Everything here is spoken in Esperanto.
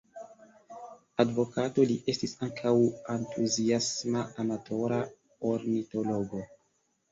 Advokato, li estis ankaŭ entuziasma amatora ornitologo.